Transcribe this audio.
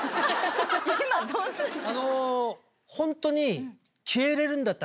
あのホントに。